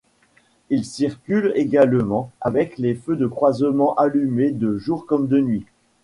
Ils circulent également avec les feux de croisement allumés de jour comme de nuit.